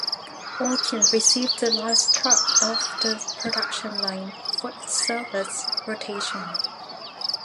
Orkin received the last truck off the production line for its service rotation.